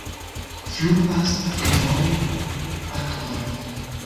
Fluas akvoj, akvoj.